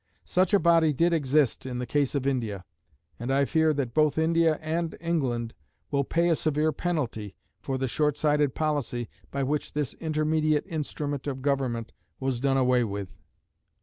Such a body did exist in the case of India; and I fear that both India and England will pay a severe penalty for the shortsighted policy by which this intermediate instrument of government was done away with.